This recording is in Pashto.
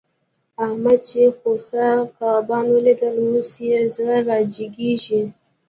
احمد چې خوسا کبان وليدل؛ اوس يې زړه را جيګېږي.